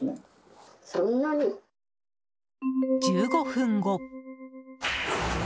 １５分後。